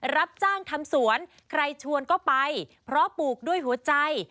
รับจ้างทำสวนใครชวนก็ไปเพราะปลูกด้วยหัวใจ